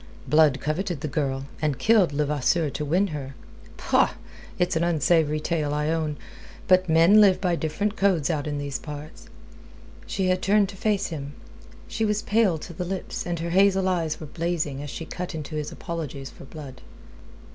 Blood coveted the girl, and killed Levasseur to win her. Pah! It's an unsavoury tale, I own. But men live by different codes out in these parts...." She had turned to face him. She was pale to the lips, and her hazel eyes were blazing, as she cut into his apologies for Blood.